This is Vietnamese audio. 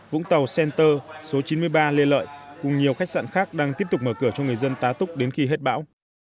vũng tàu center số chín mươi ba lê lợi cùng nhiều khách sạn khác đang tiếp tục mở cửa cho người dân tá túc đến khi hết bão